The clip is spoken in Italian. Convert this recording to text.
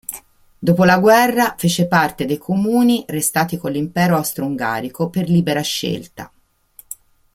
Dopo la guerra fece parte dei comuni restati con l'Impero austro-ungarico per libera scelta.